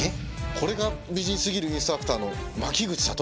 これが美人すぎるインストラクターの牧口里美？